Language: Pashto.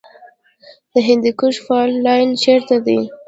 د هندوکش فالټ لاین چیرته دی؟